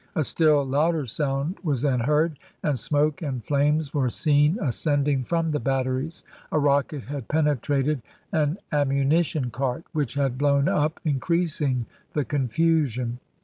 A still louder sound was then heard, and smoke and flames were seen ascending from the batteries, a rocket had penetrated an ammunition cart, which had blown up, increasing the confusion.